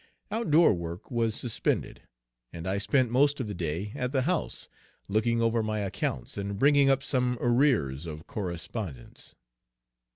Outdoor work was suspended, and I spent most of the day at the house, looking over my accounts and bringing up some arrears of correspondence.